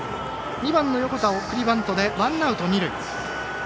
２番の横田、送りバントでワンアウト、二塁。